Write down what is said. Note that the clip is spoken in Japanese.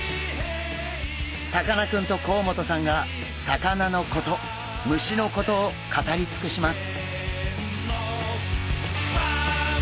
さかなクンと甲本さんが魚のこと虫のことを語り尽くします。